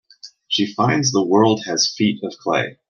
She finds the world has feet of clay.